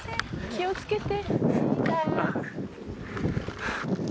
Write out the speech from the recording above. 気をつけて。